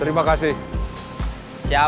obang daerah kerjasama